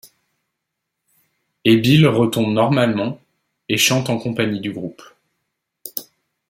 Et Bill retombe normalement et chante en compagnie du groupe.